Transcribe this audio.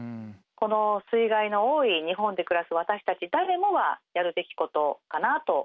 この水害の多い日本で暮らす私たち誰もがやるべきことかなと思ってます。